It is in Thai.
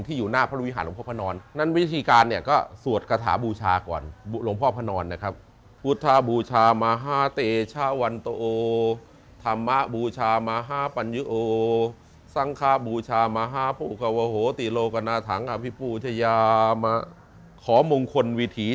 ที่อยู่หน้าพระวิหารหลวงพ่อพระนอนนั้นวิธีการเนี่ยก็สวดกระถาบูชาก่อน